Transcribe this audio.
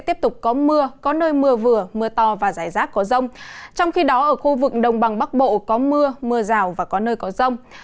trong khi đó ở khu vực đồng bằng bắc bộ có mưa mưa rào và có nơi có rông